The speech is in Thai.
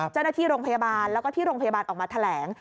เจ้าหน้าที่โรงพยาบาลแล้วก็ที่โรงพยาบาลออกมาแถลง